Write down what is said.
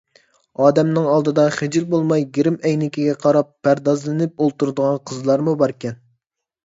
ئادەمنىڭ ئالدىدا خىجىل بولماي گىرىم ئەينىكىگە قاراپ پەردازلىنىپ ئولتۇرىدىغان قىزلارمۇ باركەن...